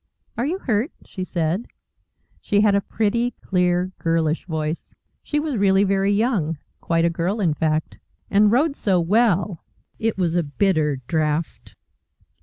"Are you hurt?" she said. She had a pretty, clear, girlish voice. She was really very young quite a girl, in fact. And rode so well! It was a bitter draught.